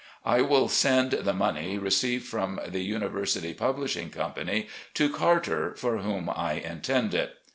I will send the money received from the ' University Publishing Company ' to Carter, for whom I intend it.